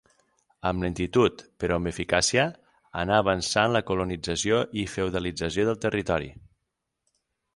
Amb lentitud però amb eficàcia anà avançant la colonització i feudalització del territori.